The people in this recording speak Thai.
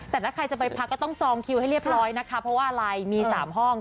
แต่ถ้าใครจะไปพักก็ต้องจองคิวให้เรียบร้อยนะคะเพราะว่าอะไรมี๓ห้อง